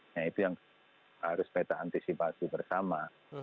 nah itu yang harus kita antisipasi bersama